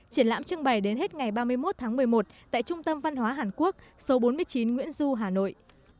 triển lãm trưng bày đến hết ngày ba mươi một tháng một mươi một tại trung tâm văn hóa hàn quốc số bốn mươi chín nguyễn du hà nội